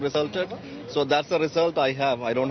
jadi itu adalah hasil yang saya miliki